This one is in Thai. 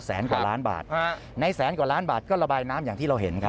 กว่าล้านบาทในแสนกว่าล้านบาทก็ระบายน้ำอย่างที่เราเห็นครับ